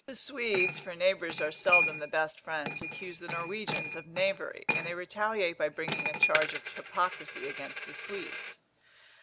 The Swedes (for neighbours are seldom the best friends) accuse the Norwegians of knavery, and they retaliate by bringing a charge of hypocrisy against the Swedes.